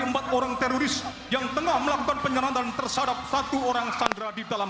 empat orang teroris yang tengah melakukan penyerangan tersadap seorang sandra di dalam